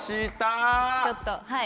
ちょっとはい。